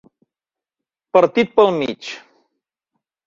Partir pel mig.